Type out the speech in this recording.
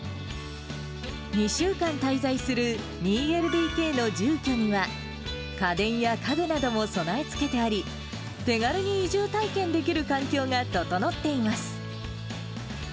２週間滞在する２ＬＤＫの住居には、家電や家具なども備え付けてあり、手軽に移住体験できる環境が整っています。